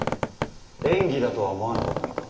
演技だとは思わなかったのか？